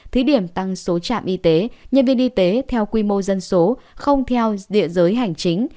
thí điểm tăng số trạm y tế nhân viên y tế theo quy mô dân số không theo địa giới hành chính